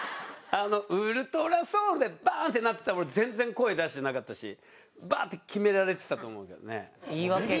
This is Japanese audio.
「ウルトラソウル」でバンッ！ってなってたら俺全然声出してなかったしバッ！って決められてたと思うけどね。